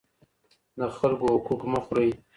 د خلګو حقوق مه خوري.